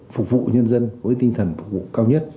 phục vụ nhân dân với tinh thần phục vụ cao nhất